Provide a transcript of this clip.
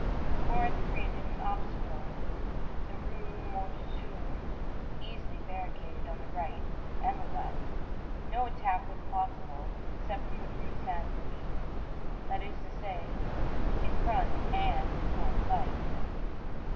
Corinthe created an obstacle, the Rue Mondétour was easily barricaded on the right and the left, no attack was possible except from the Rue Saint Denis, that is to say, in front, and in full sight.